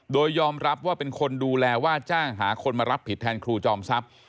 โดยยอมรับว่าเป็นคนดูแลว่าจ้างหาคนมารับผิดแทนครูจอมทรัพย์